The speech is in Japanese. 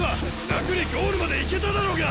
楽にゴールまで行けただろうが！